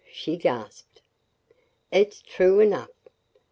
she gasped. "It's true enough.